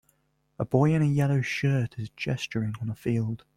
A boy in a yellow shirt is gesturing on a field.